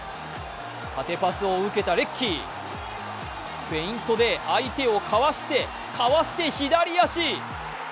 縦パスを受けたレッキー、フェイントで相手をかわして、かわして、左足！